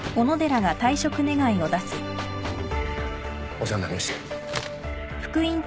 お世話になりました